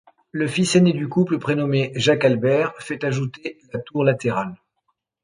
Le fils aîné du couple, prénommé Jacques-Albert, fait ajouter la tour latérale.